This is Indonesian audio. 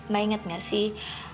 mbak inget gak sih